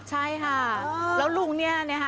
ใช่ค่ะแล้วลุงเนี่ยนะคะ